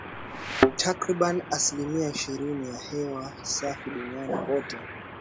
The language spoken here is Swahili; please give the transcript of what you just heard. Takribani asilimia ishirini ya hewa safi duniani kote